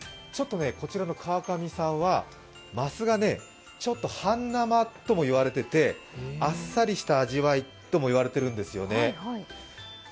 こちらの川上さんはますが半生とも言われていて、あっさりした味わいともいわれているんですよね。